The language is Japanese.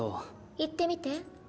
言ってみて。